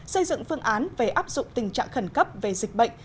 xây dựng phương án về áp dụng tình trạng khẩn cấp về dịch bệnh